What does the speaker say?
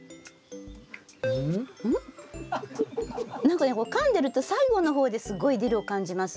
かんでると最後の方ですごいディルを感じます。